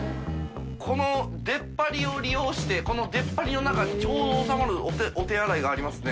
この出っ張りを利用して海僚个団イ蠅涼罎ちょうど収まるお手洗いがありますね。